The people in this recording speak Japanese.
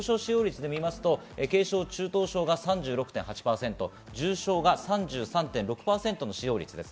病床使用率で見ると、軽症・中等症が３６．８％、重症が３３．６％の使用率です。